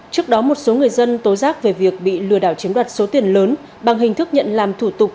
trước đó một số người dân tố giác về việc bị lừa đảo chiếm đoạt số tiền lớn bằng hình thức nhận làm thủ tục